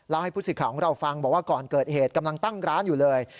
ให้ผู้สิทธิ์ของเราฟังบอกว่าก่อนเกิดเหตุกำลังตั้งร้านอยู่เลย